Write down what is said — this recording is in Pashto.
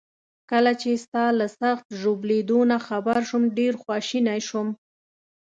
کله چي ستا له سخت ژوبلېدو نه خبر شوم، ډیر خواشینی شوم.